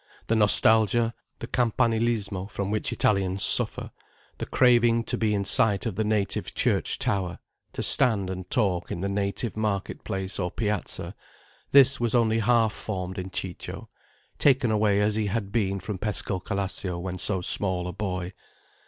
The nostalgia, the campanilismo from which Italians suffer, the craving to be in sight of the native church tower, to stand and talk in the native market place or piazza, this was only half formed in Ciccio, taken away as he had been from Pescocalascio when so small a boy.